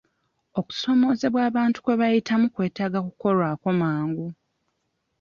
Okusoomoozebwa abantu kwe bayitamu kwetaaga kukolwako mangu.